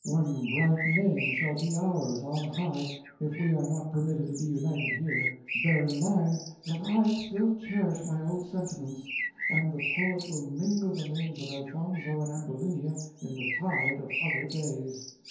One bright name shall be ours on high, if we are not permitted to be united here; bear in mind that I still cherish my old sentiments, and the poet will mingle the names of Elfonzo and Ambulinia in the tide of other days."